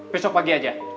besok pagi saja